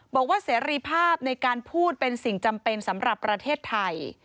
บอกว่าเสรีภาพในการพูดเป็นสิ่งจำเป็นสำหรับประเทศไทย